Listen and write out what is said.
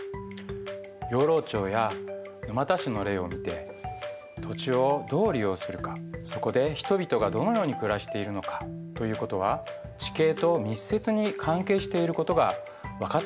養老町や沼田市の例を見て土地をどう利用するかそこで人々がどのように暮らしているのかということは地形と密接に関係していることが分かったと思います。